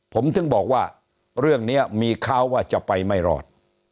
ผมถึงบอกว่าเรื่องนี้มีข่าวว่าจะไปไม่รอด